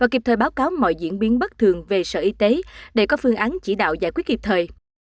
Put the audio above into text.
kịp thời báo cáo mọi diễn biến bất thường về sở y tế để có phương án chỉ đạo giải quyết kịp thời